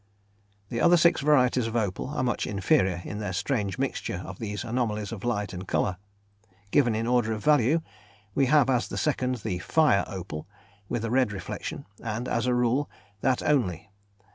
The other six varieties of opal are much inferior in their strange mixture of these anomalies of light and colour. Given in order of value, we have as the second, the "fire" opal with a red reflection, and, as a rule, that only.